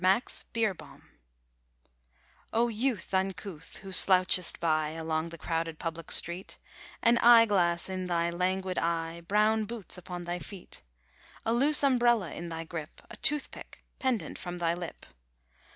MAX BEERBOHM) O youth uncouth, who slouchest by, Along the crowded public street, An eyeglass in thy languid eye, Brown boots upon thy feet, A loose umbrella in thy grip, A toothpick pendent from thy lip.